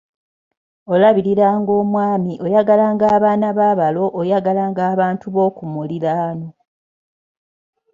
Olabiriranga omwami, oyagalanga abaana ba balo, oyagalanga abantu b'oku muliraano.